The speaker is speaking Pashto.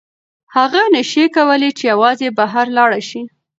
هغه نشي کولی چې یوازې بهر لاړه شي.